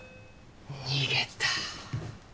逃げた。